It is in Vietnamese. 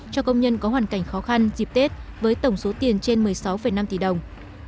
cho công nhân có hoàn cảnh khó khăn dịp tết với tổng số tiền trên một mươi sáu năm tỷ đồng